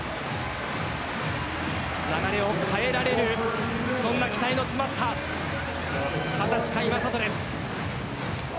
流れを変えられるそんな期待の詰まった二十歳、甲斐優斗です。